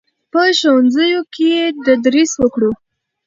په ښوونځیو کې یې تدریس کړو.